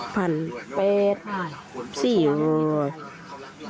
ภันเบชไหม